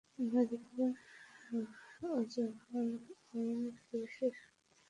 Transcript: অন্যদিকে ওজনের ক্ষেত্রে বিশ্ব স্বাস্থ্য সংস্থার বিএমআই চার্ট মোতাবেক হতে হবে।